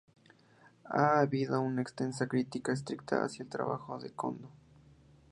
Ha habido una extensa crítica escrita hacia el trabajo de Condo.